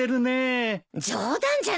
冗談じゃないよ。